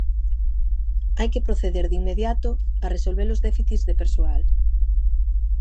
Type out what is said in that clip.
Hai que proceder de inmediato a resolver os déficits de persoal.